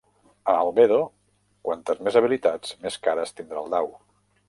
A Albedo, quantes més habilitats, més cares tindrà el dau.